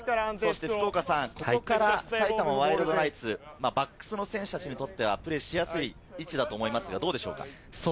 ここから埼玉ワイルドナイツ、バックスの選手たちにとってはプレーしやすい位置だと思いますが、どうでしょうか？